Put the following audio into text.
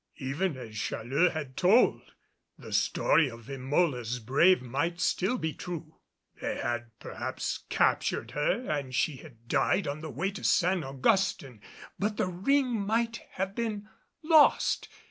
Even as Challeux had told, the story of Emola's brave might still be true. They had perhaps captured her and she had died on the way to San Augustin! But the ring might have been lost!